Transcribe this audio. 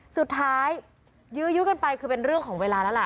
สุดท้ายยื้อยุกันไปคือเป็นเรื่องของเวลาแล้วล่ะ